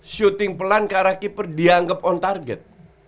shooting pelan karakip dia anggap on target